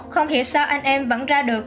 không hiểu sao anh em vẫn ra được